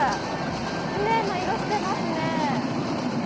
きれいな色、してますね。